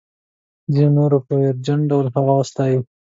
ځینو نورو په ویرجن ډول هغه وستایه.